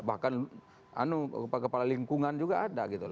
bahkan kepala lingkungan juga ada gitu